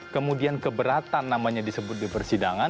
kemudian keberatan namanya disebut di persidangan